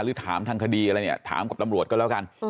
หรือถามทางคดีอะไรเนี่ยถามกับตำรวจก็แล้วกัน